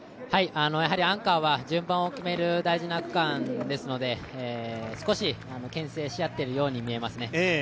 アンカーは順番を決める大事な区間ですので、少しけん制し合っているように見えますね。